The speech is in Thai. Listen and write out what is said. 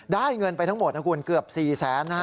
ได้เงินไปทั้งหมดเกือบ๔๐๐๐๐๐บาท